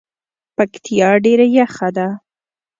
پکتیا ډیره یخه ده